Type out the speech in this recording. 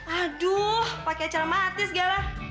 aduh pake acara mati segala